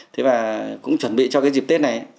thế và cũng chuẩn bị cho cái dịp tết này